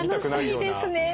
楽しみですね。